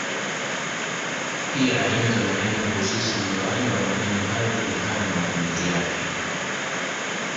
Pia aina za maneno huhusisha mgawanyo wa maneno hayo kulingana na matumizi yake.